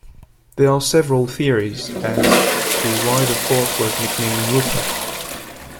There are several theories as to why the fort was nicknamed Whoop-Up.